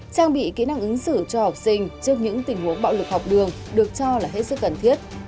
trang bị kỹ năng ứng xử cho học sinh trước những tình huống bạo lực học đường được cho là hết sức cần thiết